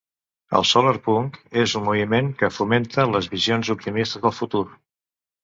El solarpunk és un moviment que fomenta les visions optimistes del futur